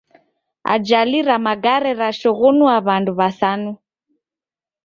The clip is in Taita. Ajali ra magare rashoghonue w'andu w'asanu.